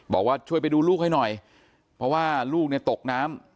บอกว่าช่วยไปดูลูกให้หน่อยเพราะว่าลูกเนี่ยตกน้ำ